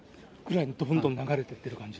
どんどん流れてってる感じ？